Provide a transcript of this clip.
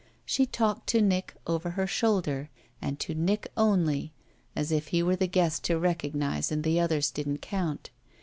She talked to Nick, over her shoulder, and to Nick only, as if he were the guest to recognise and the others didn't count.